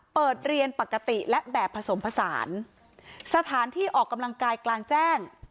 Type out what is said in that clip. เปิดเรียนปกติและแบบผสมผสานสถานที่ออกกำลังกายกลางแจ้ง